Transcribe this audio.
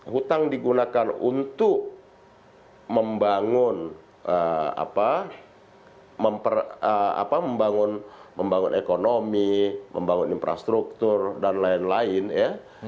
hutang digunakan untuk membangun ekonomi membangun infrastruktur dan lain lain ya